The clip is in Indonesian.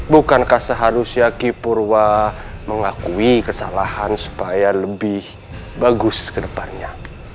bukankah seharusnya ki purwa mengakui kesalahan supaya lebih bagus ke depannya